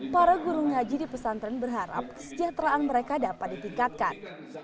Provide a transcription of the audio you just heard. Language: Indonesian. para guru ngaji di pesantren berharap kesejahteraan mereka dapat ditingkatkan